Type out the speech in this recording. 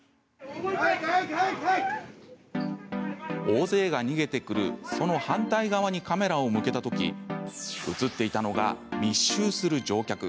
大勢が逃げてくるその反対側にカメラを向けたとき映っていたのが密集する乗客。